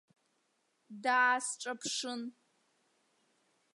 Даасҿаԥшын.